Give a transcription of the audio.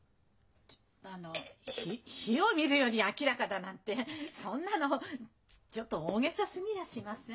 あの「火を見るより明らかだ」なんてそんなのちょっと大げさすぎやしません？